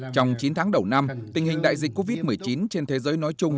trong chín tháng đầu năm tình hình đại dịch covid một mươi chín trên thế giới nói chung